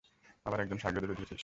আবার একজন শাগরেদও জুটিয়েছিস?